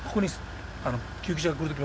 救急車が来るとき